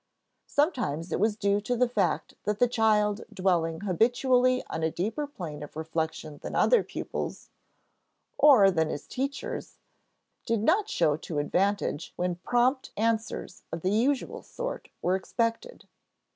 Sometimes it was due to the fact that the child dwelling habitually on a deeper plane of reflection than other pupils or than his teachers did not show to advantage when prompt answers of the usual sort were expected.